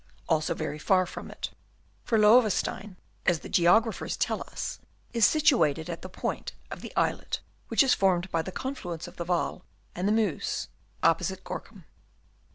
also very far from it; for Loewestein, as the geographers tell us, is situated at the point of the islet which is formed by the confluence of the Waal and the Meuse, opposite Gorcum.